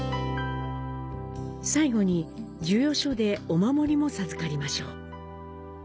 最後に授与所でお守りも授かりましょう。